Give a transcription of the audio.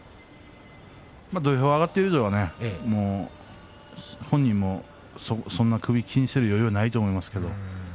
土俵に上がっている以上は本人も首を気にする余裕はないと思います。